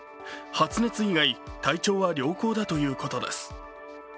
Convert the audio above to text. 発熱以外、体調は良好だということです。